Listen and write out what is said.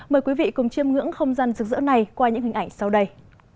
mời quý vị cùng chiêm ngưỡng không gian rực rỡ này qua những hình ảnh sau đây